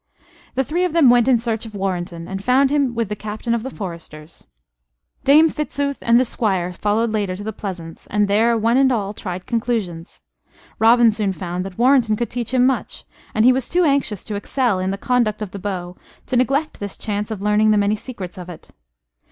The three of them went in search of Warrenton; and found him with the captain of the foresters. Dame Fitzooth and the Squire followed later to the pleasance, and there one and all tried conclusions. Robin soon found that Warrenton could teach him much; and he was too anxious to excel in the conduct of the bow to neglect this chance of learning the many secrets of it.